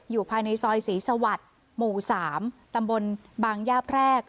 อยู่ในซอยศรีสวัสดิ์หมู่๓ตำบลบางย่าแพรก